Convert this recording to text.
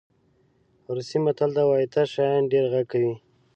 روسي متل وایي تش شیان ډېر غږ کوي.